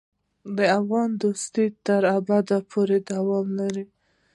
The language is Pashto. د افغان دوستي تر ابده دوام لري.